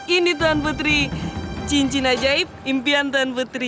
ini tuan putri cincin ajaib impian dan putri